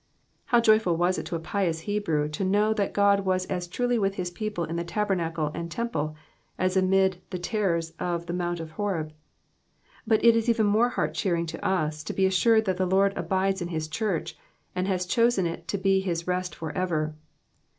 How joyful was it to a pious Hebrew to know that God was as truly with his people in the tabernacle and temple as amid the terrors of the Mount of Horeb ; but it is even more heait clieering to us to be assured that the Lord abides in his church, and has chosen it to be his rest for ever.